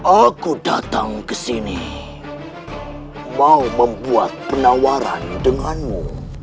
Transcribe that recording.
aku datang ke sini mau membuat penawaran denganmu